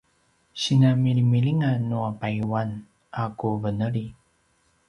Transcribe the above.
sinanmilimilingan nua payuan a ku veneli